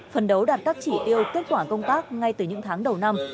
phần đấu đạt các chỉ tiêu kết quả công tác ngay từ những tháng đầu năm